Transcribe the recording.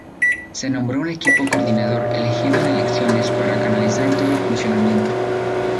Se nombró un equipo coordinador, elegido en elecciones, para canalizar todo el funcionamiento.